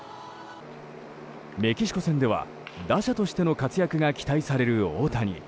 メキシコ戦では打者としての活躍が期待される大谷。